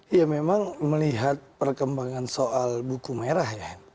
ya memang melihat perkembangan soal buku merah ya